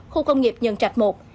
khu công nghiệp nhân trạch i